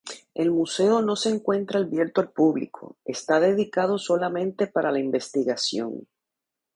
El museo no se encuentra abierto al público, está dedicado solamente para la investigación.